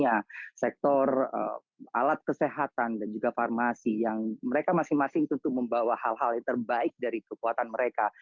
ada sektor alat kesehatan dan juga farmasi yang mereka masing masing tentu membawa hal hal yang terbaik dari kekuatan mereka